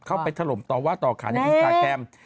เข้าไปถล่มต่อว่าต่อขาดในอินสตาร์แกรม